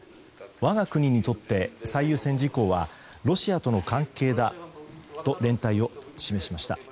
我が国とって最優先事項はロシアとの関係だと連帯を示しました。